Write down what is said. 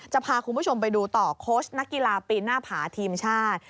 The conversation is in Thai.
จะพาคุณผู้ชมไปดูต่อโค้ชนักกีฬาปีนหน้าผาทีมชาติ